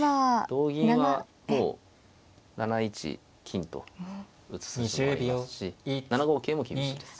同銀はもう７一金と打つ筋もありますし７五桂も厳しいです。